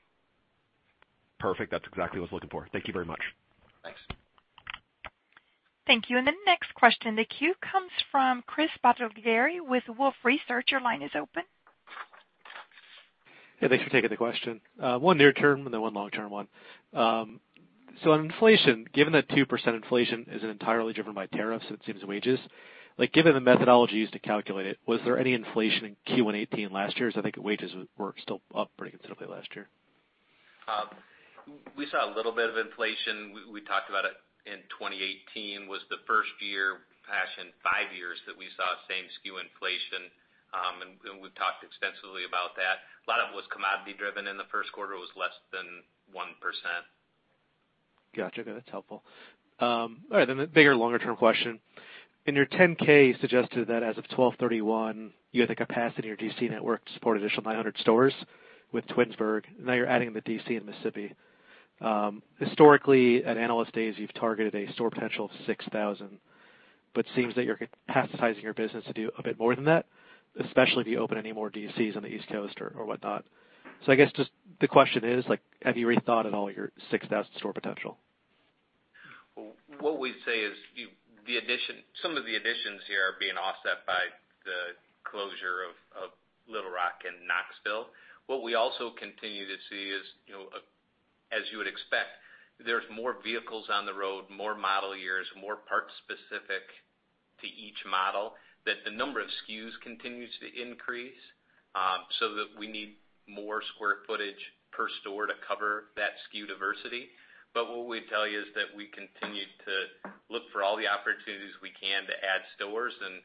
Perfect. That's exactly what I was looking for. Thank you very much. Thanks. Thank you. The next question in the queue comes from Chris Bottiglieri with Wolfe Research. Your line is open. Hey, thanks for taking the question. One near term and then one long term one. On inflation, given that 2% inflation isn't entirely driven by tariffs, it seems wages, given the methodologies to calculate it, was there any inflation in Q1 2018 last year? I think wages were still up pretty considerably last year. We saw a little bit of inflation. We talked about it in 2018, was the first year perhaps in five years that we saw same SKU inflation, and we've talked extensively about that. A lot of it was commodity driven in the first quarter. It was less than 1%. Got you. That's helpful. All right, the bigger, longer-term question. In your 10-K, you suggested that as of 12/31, you had the capacity in your DC network to support an additional 900 stores with Twinsburg. Now you're adding the DC in Mississippi. Historically, at Analyst Days, you've targeted a store potential of 6,000, but it seems that you're capacitizing your business to do a bit more than that, especially if you open any more DCs on the East Coast or whatnot. I guess just the question is, have you rethought at all your 6,000 store potential? What we'd say is some of the additions here are being offset by the closure of Little Rock and Knoxville. What we also continue to see is, as you would expect, there's more vehicles on the road, more model years, more parts specific to each model, that the number of SKUs continues to increase so that we need more square footage per store to cover that SKU diversity. What we'd tell you is that we continue to look for all the opportunities we can to add stores, and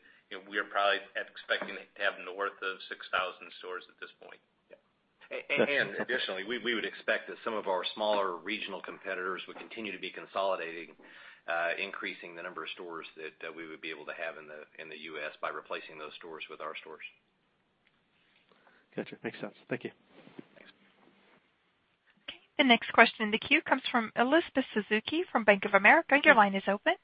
we're probably expecting to have north of 6,000 stores at this point. Yeah. Additionally, we would expect that some of our smaller regional competitors would continue to be consolidating, increasing the number of stores that we would be able to have in the U.S. by replacing those stores with our stores. Got you. Makes sense. Thank you. The next question in the queue comes from Elizabeth Suzuki from Bank of America. Your line is open.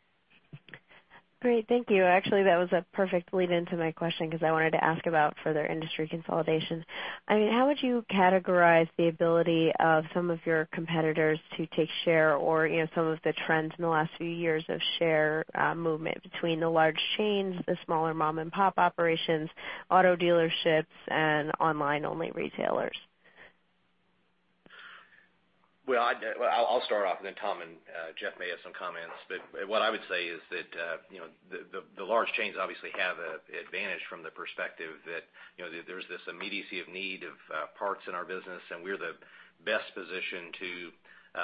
Great. Thank you. Actually, that was a perfect lead into my question, because I wanted to ask about further industry consolidation. How would you categorize the ability of some of your competitors to take share or some of the trends in the last few years of share movement between the large chains, the smaller mom-and-pop operations, auto dealerships, and online-only retailers? Well, I'll start off, and then Tom and Jeff may have some comments. What I would say is that, the large chains obviously have an advantage from the perspective that there's this immediacy of need of parts in our business, and we're the best position to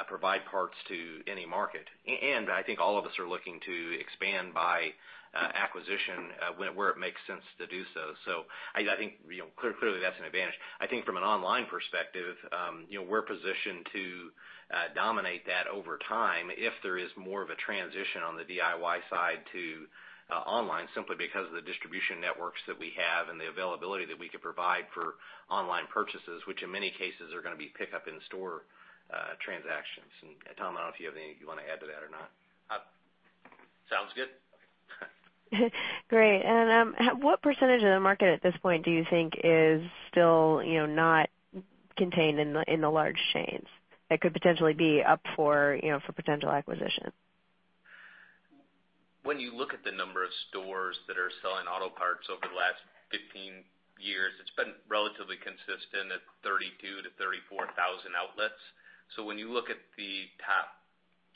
provide parts to any market. I think all of us are looking to expand by acquisition, where it makes sense to do so. I think clearly that's an advantage. I think from an online perspective, we're positioned to dominate that over time if there is more of a transition on the DIY side to online, simply because of the distribution networks that we have and the availability that we could provide for online purchases, which in many cases are going to be pickup in-store transactions. Tom, I don't know if you have anything you want to add to that or not. Sounds good. Great. What % of the market at this point do you think is still not contained in the large chains that could potentially be up for potential acquisition? When you look at the number of stores that are selling auto parts over the last 15 years, it's been relatively consistent at 32,000-34,000 outlets. When you look at the top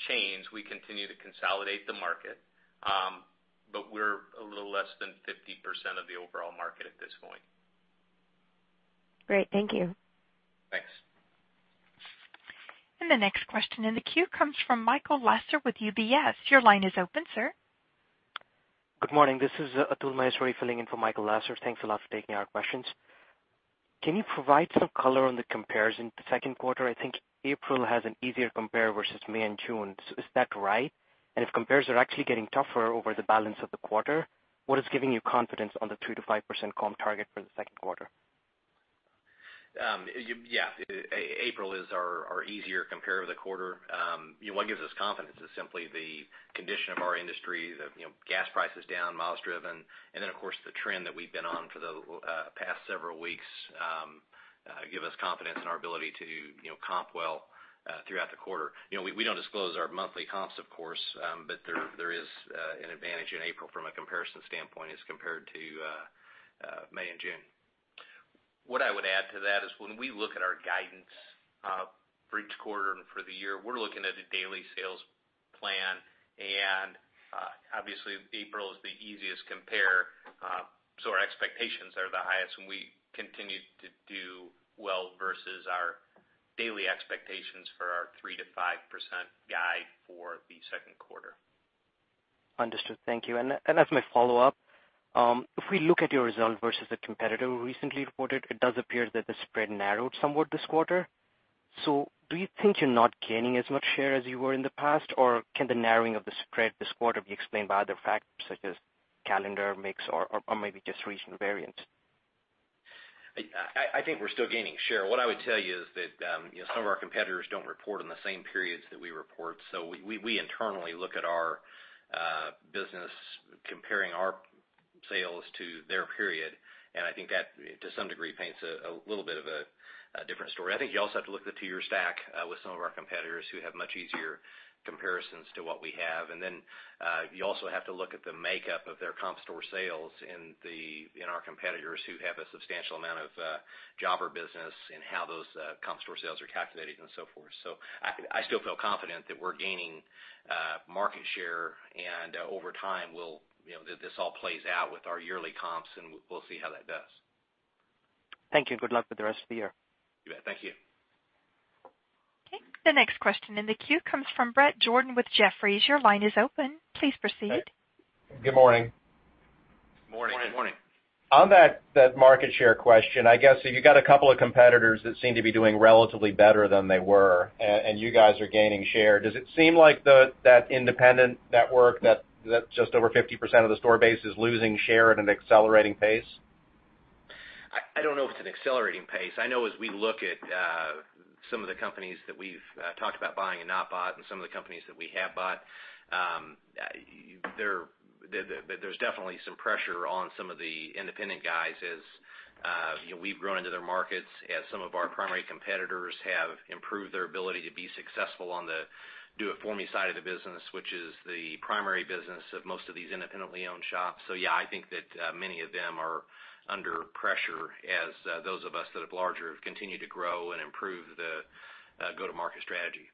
chains, we continue to consolidate the market, but we're a little less than 50% of the overall market at this point. Great. Thank you. Thanks. The next question in the queue comes from Michael Lasser with UBS. Your line is open, sir. Good morning. This is Atul Maheshwari filling in for Michael Lasser. Thanks a lot for taking our questions. Can you provide some color on the comparison to second quarter? I think April has an easier compare versus May and June. Is that right? If compares are actually getting tougher over the balance of the quarter, what is giving you confidence on the 3%-5% comp target for the second quarter? Yeah. April is our easier compare of the quarter. What gives us confidence is simply the condition of our industry, the gas prices down, miles driven, and then, of course, the trend that we've been on for the past several weeks give us confidence in our ability to comp well throughout the quarter. We don't disclose our monthly comps, of course, but there is an advantage in April from a comparison standpoint as compared to May and June. What I would add to that is when we look at our guidance, for each quarter and for the year, we're looking at a daily sales plan. Obviously April is the easiest compare, our expectations are the highest and we continue to do well versus our daily expectations for our 3%-5% guide for the second quarter. Understood. Thank you. As my follow-up, if we look at your result versus the competitor who recently reported, it does appear that the spread narrowed somewhat this quarter. Do you think you're not gaining as much share as you were in the past, or can the narrowing of the spread this quarter be explained by other factors such as calendar mix or maybe just regional variance? I think we're still gaining share. What I would tell you is that some of our competitors don't report on the same periods that we report. We internally look at our business comparing our sales to their period, and I think that, to some degree, paints a little bit of a different story. I think you also have to look at the tier stack with some of our competitors who have much easier comparisons to what we have. Then, you also have to look at the makeup of their comp store sales in our competitors who have a substantial amount of jobber business and how those comp store sales are calculated and so forth. I still feel confident that we're gaining market share, and over time, this all plays out with our yearly comps, and we'll see how that does. Thank you. Good luck with the rest of the year. You bet. Thank you. Okay. The next question in the queue comes from Bret Jordan with Jefferies. Your line is open. Please proceed. Good morning. Morning. Morning. On that market share question, I guess you got a couple of competitors that seem to be doing relatively better than they were, and you guys are gaining share. Does it seem like that independent network, that just over 50% of the store base is losing share at an accelerating pace? I don't know if it's an accelerating pace. I know as we look at some of the companies that we've talked about buying and not bought and some of the companies that we have bought, there's definitely some pressure on some of the independent guys as we've grown into their markets, as some of our primary competitors have improved their ability to be successful on the DIFM side of the business, which is the primary business of most of these independently owned shops. Yeah, I think that many of them are under pressure as those of us that are larger continue to grow and improve the go-to-market strategy.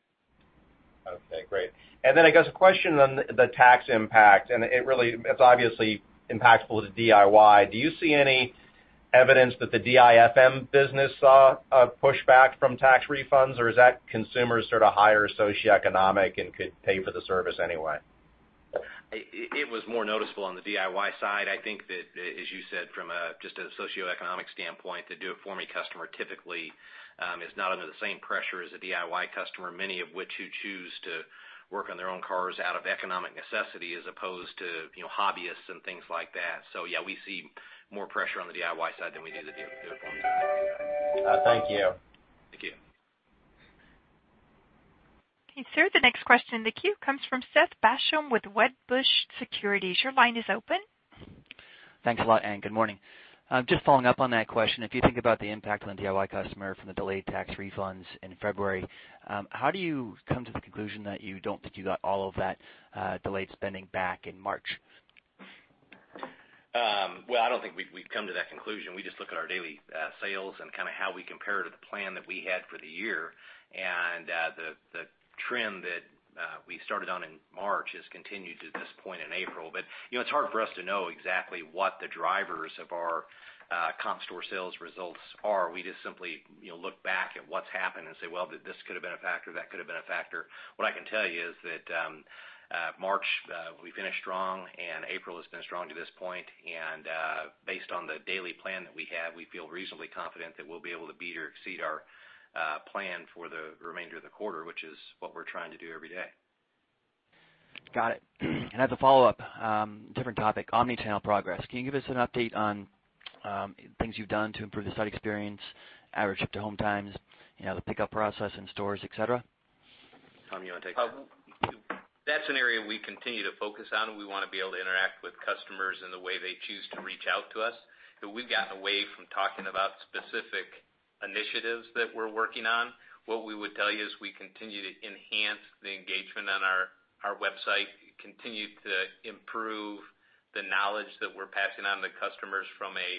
Okay, great. I guess a question on the tax impact, and it really is obviously impactful to DIY. Do you see any evidence that the DIFM business saw a pushback from tax refunds, or is that consumers sort of higher socioeconomic and could pay for the service anyway? It was more noticeable on the DIY side. I think that, as you said, from just a socioeconomic standpoint, the DIFM customer typically is not under the same pressure as a DIY customer, many of which who choose to work on their own cars out of economic necessity as opposed to hobbyists and things like that. Yeah, we see more pressure on the DIY side than we do the DIFM side. Thank you. Thank you. Okay, sir. The next question in the queue comes from Seth Basham with Wedbush Securities. Your line is open. Thanks a lot. Good morning. Just following up on that question, if you think about the impact on the DIY customer from the delayed tax refunds in February, how do you come to the conclusion that you don't think you got all of that delayed spending back in March? Well, I don't think we've come to that conclusion. We just look at our daily sales and how we compare to the plan that we had for the year. The trend that we started on in March has continued to this point in April. It's hard for us to know exactly what the drivers of our comp store sales results are. We just simply look back at what's happened and say, "Well, this could've been a factor, that could've been a factor." What I can tell you is that March, we finished strong, and April has been strong to this point. Based on the daily plan that we have, we feel reasonably confident that we'll be able to beat or exceed our plan for the remainder of the quarter, which is what we're trying to do every day. Got it. As a follow-up, different topic, omni-channel progress. Can you give us an update on things you've done to improve the site experience, average ship to home times, the pickup process in stores, et cetera? Tom, you want to take that? That's an area we continue to focus on. We want to be able to interact with customers in the way they choose to reach out to us. We've gotten away from talking about specific initiatives that we're working on. What we would tell you is we continue to enhance the engagement on our website, continue to improve the knowledge that we're passing on to customers from a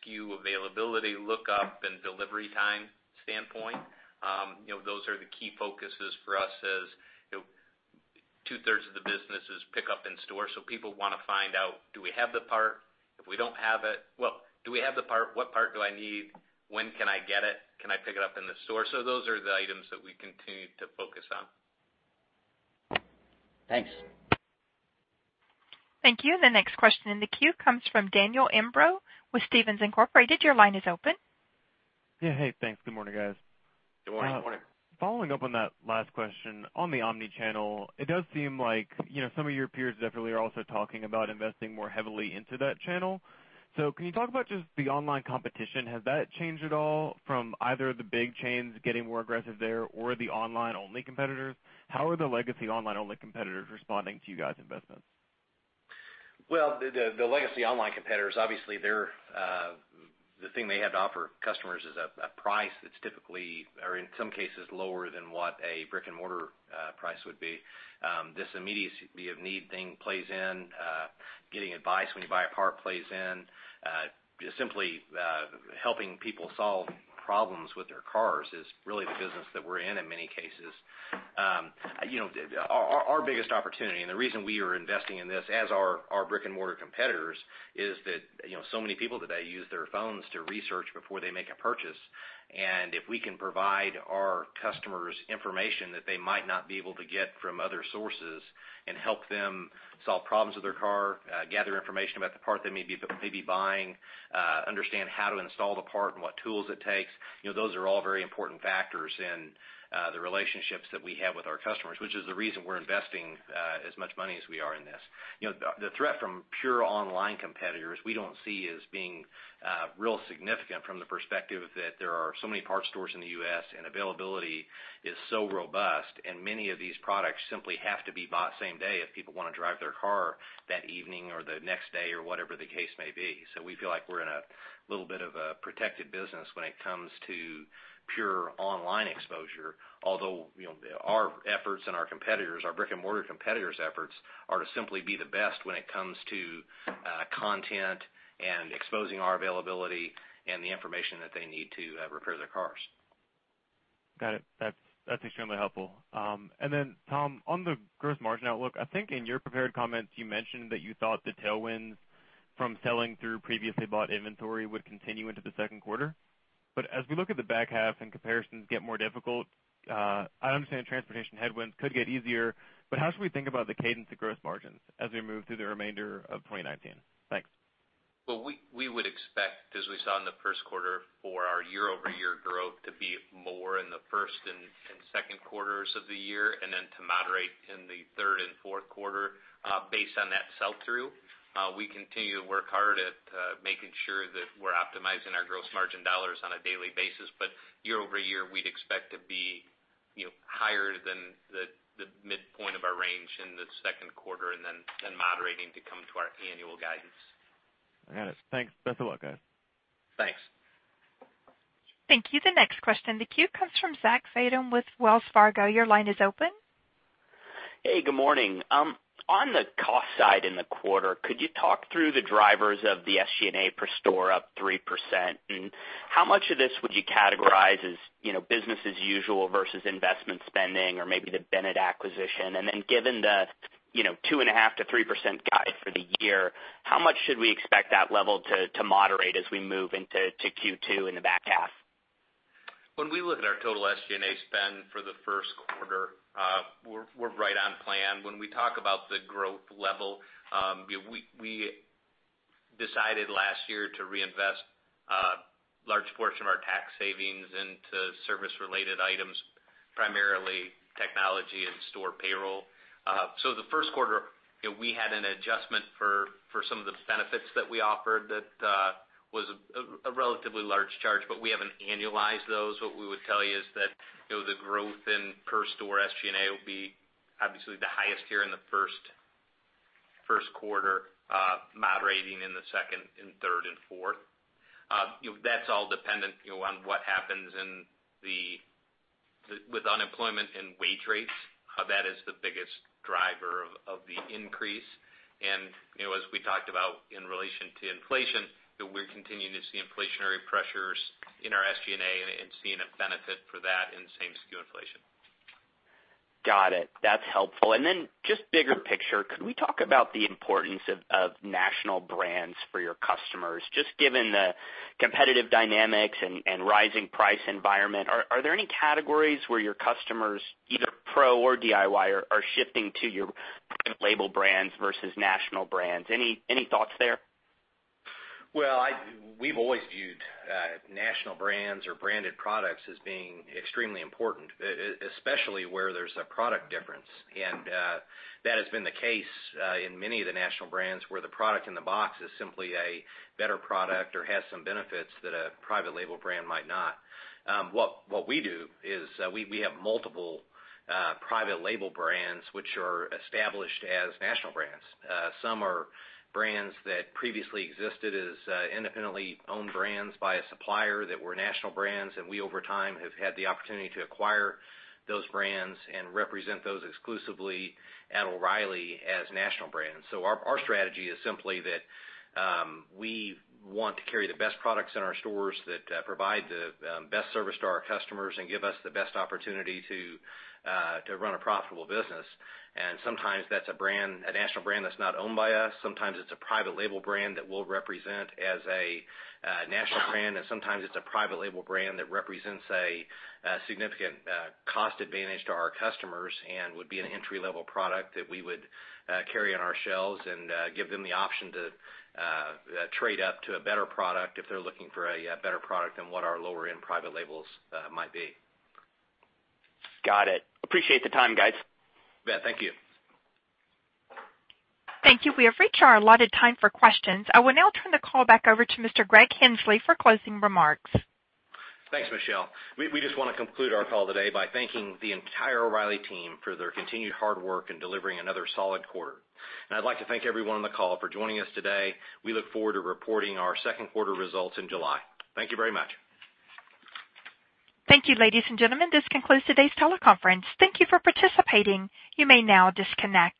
SKU availability lookup and delivery time standpoint. Those are the key focuses for us as two-thirds of the business is pick up in store. People want to find out, do we have the part? What part do I need? When can I get it? Can I pick it up in the store? Those are the items that we continue to focus on. Thanks. Thank you. The next question in the queue comes from Daniel Imbro with Stephens Inc.. Your line is open. Yeah. Hey, thanks. Good morning, guys. Good morning. Good morning. Following up on that last question, on the omni-channel, it does seem like some of your peers definitely are also talking about investing more heavily into that channel. Can you talk about just the online competition? Has that changed at all from either the big chains getting more aggressive there or the online-only competitors? How are the legacy online-only competitors responding to you guys' investments? Well, the legacy online competitors, obviously the thing they have to offer customers is a price that's typically, or in some cases, lower than what a brick-and-mortar price would be. This immediacy of need thing plays in, getting advice when you buy a part plays in. Just simply helping people solve problems with their cars is really the business that we're in many cases. Our biggest opportunity and the reason we are investing in this, as are our brick-and-mortar competitors, is that so many people today use their phones to research before they make a purchase. If we can provide our customers information that they might not be able to get from other sources and help them solve problems with their car, gather information about the part they may be buying, understand how to install the part and what tools it takes, those are all very important factors in the relationships that we have with our customers, which is the reason we're investing as much money as we are in this. The threat from pure online competitors we don't see as being real significant from the perspective that there are so many part stores in the U.S., and availability is so robust, and many of these products simply have to be bought same day if people want to drive their car that evening or the next day or whatever the case may be. We feel like we're in a little bit of a protected business when it comes to pure online exposure. Although, our efforts and our brick-and-mortar competitors' efforts are to simply be the best when it comes to content and exposing our availability and the information that they need to repair their cars. Got it. That's extremely helpful. Tom, on the gross margin outlook, I think in your prepared comments, you mentioned that you thought the tailwinds from selling through previously bought inventory would continue into the second quarter. As we look at the back half and comparisons get more difficult, I understand transportation headwinds could get easier, but how should we think about the cadence of gross margins as we move through the remainder of 2019? Thanks. Well, we would expect, as we saw in the first quarter, for our year-over-year growth to be more in the first and second quarters of the year and then to moderate in the third and fourth quarter based on that sell-through. We continue to work hard at making sure that we're optimizing our gross margin dollars on a daily basis, but year-over-year, we'd expect to be higher than the midpoint of our range in the second quarter and then moderating to come to our annual guidance. I got it. Thanks. That's all I got. Thanks. Thank you. The next question in the queue comes from Zachary Fadem with Wells Fargo. Your line is open. Hey, good morning. On the cost side in the quarter, could you talk through the drivers of the SG&A per store up 3%? How much of this would you categorize as business as usual versus investment spending or maybe the Bennett acquisition? Given the 2.5%-3% guide for the year, how much should we expect that level to moderate as we move into Q2 in the back half? When we look at our total SG&A spend for the first quarter, we're right on plan. When we talk about the growth level, we decided last year to reinvest a large portion of our tax savings into service-related items, primarily technology and store payroll. The first quarter, we had an adjustment for some of the benefits that we offered that was a relatively large charge, but we haven't annualized those. What we would tell you is that the growth in per store SG&A will be obviously the highest here in the first First quarter, moderating in the second and third and fourth. That's all dependent on what happens with unemployment and wage rates. That is the biggest driver of the increase. As we talked about in relation to inflation, that we're continuing to see inflationary pressures in our SG&A and seeing a benefit for that in same SKU inflation. Got it. That's helpful. Then just bigger picture, could we talk about the importance of national brands for your customers? Just given the competitive dynamics and rising price environment, are there any categories where your customers, either pro or DIY, are shifting to your private label brands versus national brands? Any thoughts there? Well, we've always viewed national brands or branded products as being extremely important, especially where there's a product difference. That has been the case in many of the national brands where the product in the box is simply a better product or has some benefits that a private label brand might not. What we do is we have multiple private label brands which are established as national brands. Some are brands that previously existed as independently owned brands by a supplier that were national brands, and we over time have had the opportunity to acquire those brands and represent those exclusively at O'Reilly as national brands. Our strategy is simply that we want to carry the best products in our stores that provide the best service to our customers and give us the best opportunity to run a profitable business. Sometimes that's a national brand that's not owned by us. Sometimes it's a private label brand that we'll represent as a national brand, sometimes it's a private label brand that represents a significant cost advantage to our customers and would be an entry-level product that we would carry on our shelves and give them the option to trade up to a better product if they're looking for a better product than what our lower-end private labels might be. Got it. Appreciate the time, guys. Yeah, thank you. Thank you. We have reached our allotted time for questions. I will now turn the call back over to Mr. Greg Henslee for closing remarks. Thanks, Michelle. We just want to conclude our call today by thanking the entire O’Reilly Team for their continued hard work in delivering another solid quarter. I'd like to thank everyone on the call for joining us today. We look forward to reporting our second quarter results in July. Thank you very much. Thank you, ladies and gentlemen. This concludes today's teleconference. Thank you for participating. You may now disconnect.